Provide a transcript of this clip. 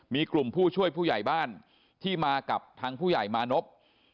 มีกลุ่มผู้ช่วยผู้ใหญ่บ้านที่มากับทางผู้ใหญ่มานพ